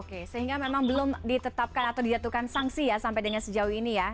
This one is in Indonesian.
oke sehingga memang belum ditetapkan atau dijatuhkan sanksi ya sampai dengan sejauh ini ya